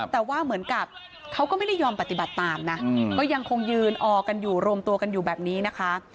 แต่ว่าเหมือนกับเขาก็ไม่ได้ยอมปฏิบัติตามนะก็ยังคงยืนออกันอยู่รวมตัวกันอยู่แบบนี้นะคะ